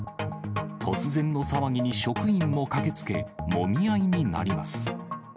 突然の騒ぎに職員も駆けつけ、もみ合いになります。